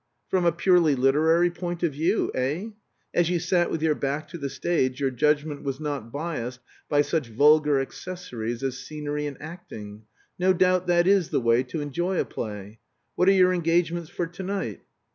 "From a purely literary point of view, eh? As you sat with your back to the stage your judgment was not biased by such vulgar accessories as scenery and acting. No doubt that is the way to enjoy a play. What are your engagements for to night?"